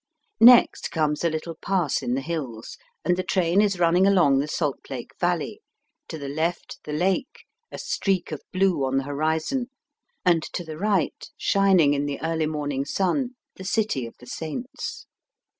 Next comes a little pass in the hills, and the train is running along the Salt Lake Valley, to the left the lake, a streak of blue on the horizon, and to the right, shining in the early morning sun, the City of the Saints.